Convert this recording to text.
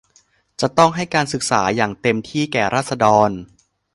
จะต้องให้การศึกษาอย่างเต็มที่แก่ราษฎร